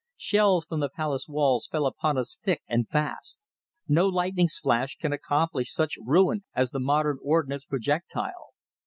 Shells from the palace walls fell upon us thick and fast. No lightning's flash can accomplish such ruin as the modern ordnance projectile.